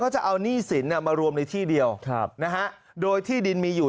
จะเอาหนี้สินมารวมในที่เดียวโดยที่ดินมีอยู่